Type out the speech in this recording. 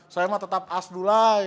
saya mah tetap asdulai